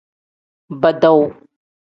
Badawu.